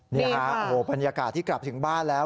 นี่ฮะโอ้โหบรรยากาศที่กลับถึงบ้านแล้ว